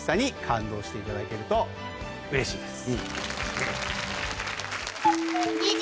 していただけるとうれしいです。